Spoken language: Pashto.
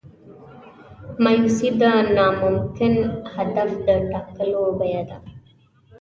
مایوسي د ناممکن هدف د ټاکلو بیه ده.